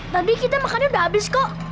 tadi kita makannya udah habis kok